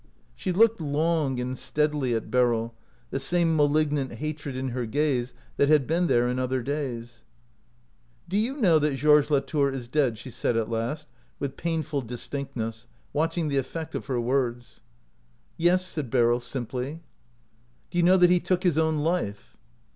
She looked long and steadily at Beryl, the same malignant hatred in her gaze that had been there in other days. " Do you know that Georges Latour is dead?" she said at last, with painful dis tinctness, watching the effect of her words. ".Yes," said Beryl, simply. " Do you know that he took his own life?